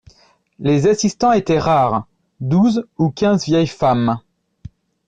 Les assistants étaient rares, douze ou quinze vieilles femmes.